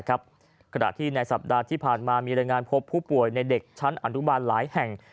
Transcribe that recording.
ขณะที่ในสัปดาห์ที่ผ่านมามีรายงานพบผู้ป่วยในเด็กชั้นอนุบาลหลายแห่ง